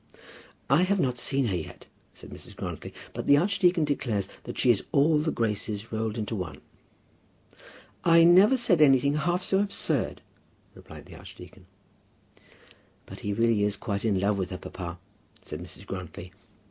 "I have not seen her yet," said Mrs. Grantly; "but the archdeacon declares that she is all the graces rolled into one." "I never said anything half so absurd," replied the archdeacon. "But he really is quite in love with her, papa," said Mrs. Grantly.